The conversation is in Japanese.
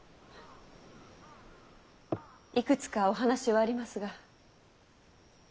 いくつかお話はありますが。